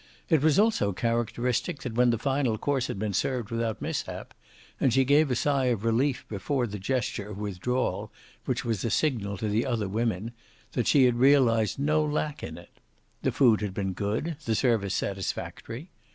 It was also characteristic that when the final course had been served without mishap, and she gave a sigh of relief before the gesture of withdrawal which was a signal to the other women, that she had realized no lack in it. The food had been good, the service satisfactory.